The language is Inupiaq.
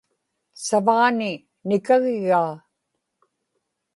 savaani nikagigaa